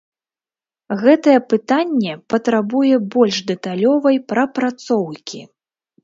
Гэтае пытанне патрабуе больш дэталёвай прапрацоўкі.